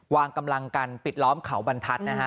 วางกำลังกันปิดล้อมเขาบรรทัศน์นะฮะ